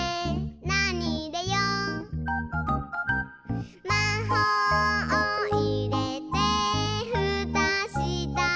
「なにいれよう？」「まほうをいれてふたしたら」